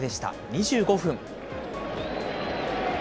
２５分。